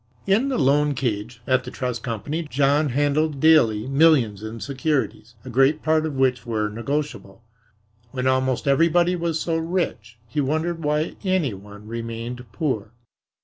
In the "loan cage" at the trust company John handled daily millions in securities, a great part of which were negotiable. When almost everybody was so rich he wondered why any one remained poor.